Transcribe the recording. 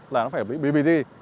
là nó phải bởi bbg